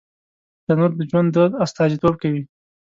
تنور د ژوندي دود استازیتوب کوي